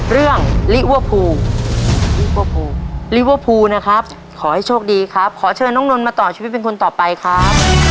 เรื่องลิวอภูลลิวอภูลลิวอภูลนะครับขอให้โชคดีครับขอเชิญน้องน้นมาต่อชีวิตเป็นคนต่อไปครับ